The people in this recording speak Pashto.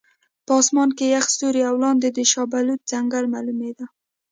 په اسمان کې یخ ستوري او لاندې د شاه بلوط ځنګل معلومېده.